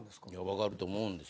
分かると思うんです。